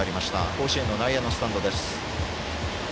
甲子園の内野のスタンドです。